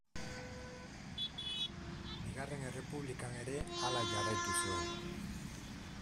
Bigarren Errepublikan ere hala jarraitu zuen.